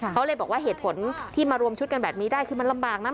เขาเลยบอกว่าเหตุผลที่มารวมชุดกันแบบนี้ได้คือมันลำบากนะ